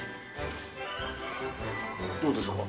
どうですか？